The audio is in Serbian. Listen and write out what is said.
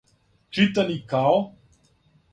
читани као